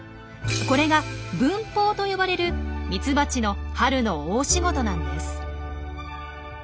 これが「分蜂」と呼ばれるミツバチの春の大仕事なんです。